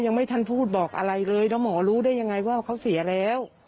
ยังไม่ทันพูดบอกอะไรเลยแล้วหมอรู้ได้ยังไงว่าเขาเสียแล้ว